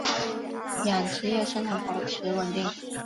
养殖业生产保持稳定。